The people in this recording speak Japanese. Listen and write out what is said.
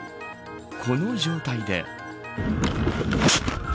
この状態で。